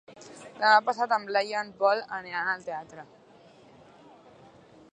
Demà passat en Blai i en Pol aniran al teatre.